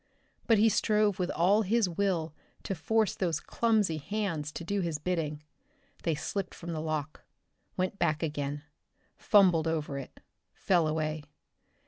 But he strove with all his will to force those clumsy hands to do his bidding. They slipped from the lock, went back again, fumbled over it, fell away.